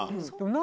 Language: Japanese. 何？